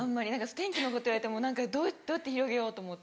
天気のこと言われてもどうやって広げようと思って。